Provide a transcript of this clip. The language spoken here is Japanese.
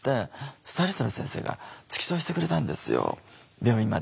スタイリストの先生が付き添いしてくれたんですよ病院まで。